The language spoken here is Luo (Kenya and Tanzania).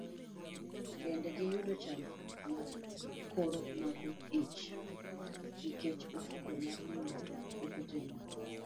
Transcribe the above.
Bende giyud chandruok mar koro mako ich nikech ofuko mar nyuol pok otegno.